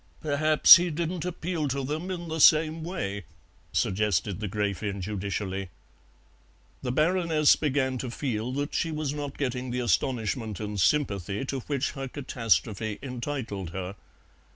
"Perhaps he didn't appeal to them in the same way," suggested the Gräfin judicially. The Baroness began to feel that she was not getting the astonishment and sympathy to which her catastrophe entitled her.